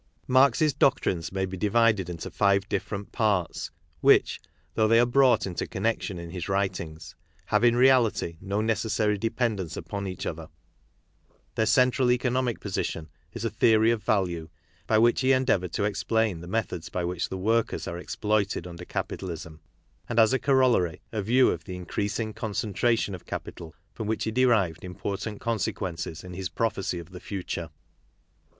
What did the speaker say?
v f Marx's doctrines may be divided into five different ' parts which, though they are brought into connection in his writings, hayejnj ealijtyno necessary dependence KARL MARX 27 upon each other. Their central economic position is a theory of_value, by which he endeavoured to explain Oie methods^Hy which the workers are exploited under capitalism ; and as a corollary, a view of the increasing concentration of capital from which he derived^ im portant consequences in his prophecy of the future.